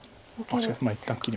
しかし一旦切り。